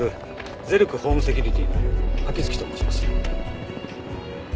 ゼルクホームセキュリティの秋月と申します。